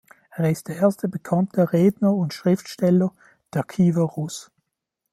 Er ist der erste bekannte Redner und Schriftsteller der Kiewer Rus.